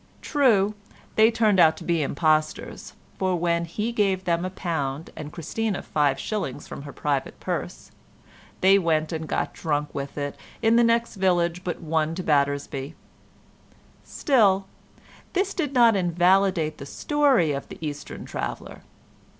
True, they turned out to be impostors, for when he gave them a pound and Christina five shillings from her private purse, they went and got drunk with it in the next village but one to Battersby; still, this did not invalidate the story of the Eastern traveller.